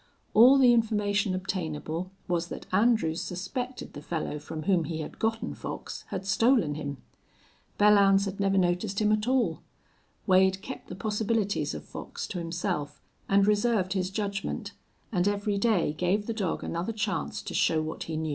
All the information obtainable was that Andrews suspected the fellow from whom he had gotten Fox had stolen him. Belllounds had never noticed him at all. Wade kept the possibilities of Fox to himself and reserved his judgment, and every day gave the dog another chance to show what he knew.